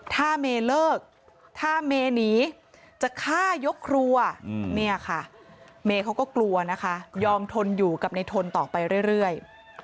ถ้าเมย์เลิกถ้าเมหนีจะฆ่ายกครัวเนี่ยค่ะเมย์เขาก็กลัวนะคะยอมทนอยู่กับในทนต่อไปเรื่อย